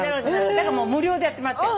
だから無料でやってもらってる。